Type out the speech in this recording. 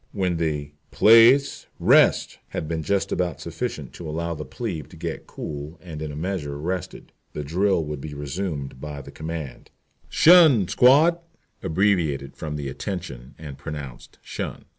When the "place, rest" had been just about sufficient to allow the plebe to get cool and in a measure rested, the drill would be resumed by the command "'tion, squad" (abbreviated from "attention" and pronounced "shun").